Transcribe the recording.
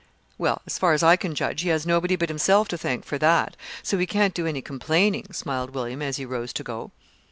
"Well, as far as I can judge, he has nobody but himself to thank for that, so he can't do any complaining," smiled William, as he rose to go.